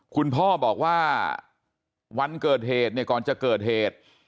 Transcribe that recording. คุณพ่อบอกว่าวันเกิดเหตุเนี่ยก่อนจะเกิดเหตุ